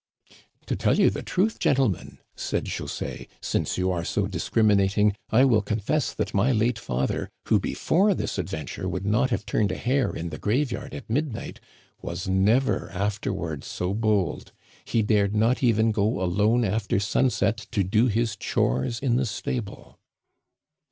To tell you the truth, gentlemen," said José, " since you are so discriminating, I will confess that my late father, who before this adventure would not have turned a hair in the graveyard at midnight, was never afterward so bold ; he dared not even go alone after sunset to do his chores in the stable."